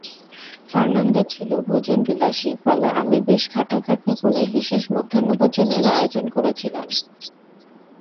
Fernando ছিল ভোজনবিলাসী, ফলে আমি বেশ খাটাখাটনি করে বিশেষ মধ্যাহ্নভোজনের আয়োজন করেছিলাম।